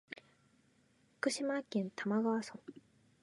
福島県玉川村